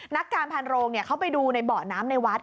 นักการพันโรงเขาไปดูในเบาะน้ำในวัด